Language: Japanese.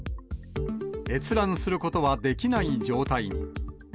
閲覧することはできない状態